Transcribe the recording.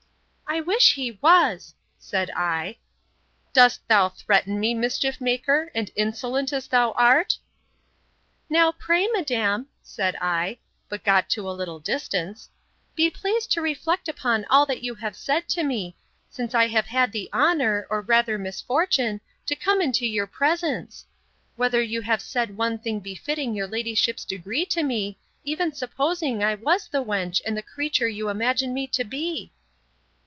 I wish he was, said I.—Dost thou threaten me, mischief maker, and insolent as thou art? Now, pray, madam, said I, (but got to a little distance,) be pleased to reflect upon all that you have said to me, since I have had the honour, or rather misfortune, to come into your presence; whether you have said one thing befitting your ladyship's degree to me, even supposing I was the wench and the creature you imagine me to be?